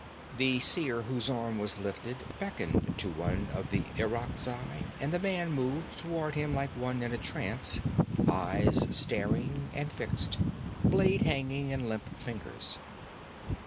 The seer whose arm was lifted beckoned to one of the Irakzai, and the man moved toward him like one in a trance, eyes staring and fixed, blade hanging in limp fingers.